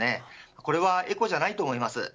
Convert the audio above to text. これはエコじゃないと思います。